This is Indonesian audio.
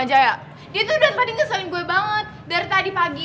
sama jaya dia tuh udah tadi ngeselin gue banget dari tadi pagi